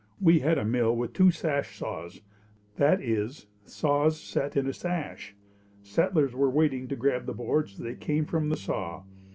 We had a mill with two sash saws, that is, saws set in a sash. Settlers were waiting to grab the boards as they came from the saw.